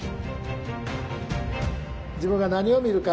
自分が何を見るか。